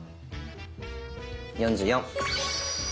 ４４！